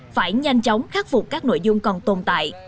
phải nhanh chóng khắc phục các nội dung còn tồn tại